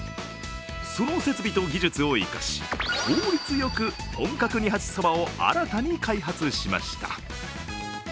その設備と技術を生かし効率よく本格二八そばを新たに開発しました。